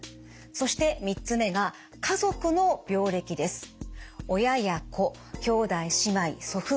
そして３つ目が家族の病歴です。